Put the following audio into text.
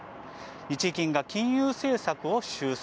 日銀が金融政策を修正。